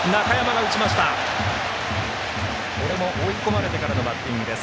これも追い込まれてからのバッティングです。